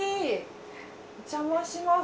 お邪魔します。